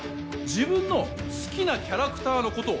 自分の好きなキャラクターのことを